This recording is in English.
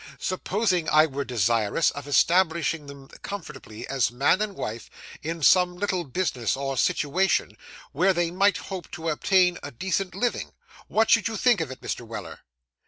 Supposing I were desirous of establishing them comfortably as man and wife in some little business or situation, where they might hope to obtain a decent living, what should you think of it, Mr. Weller?